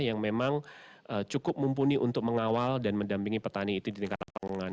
yang memang cukup mumpuni untuk mengawal dan mendampingi petani itu di tingkat pangan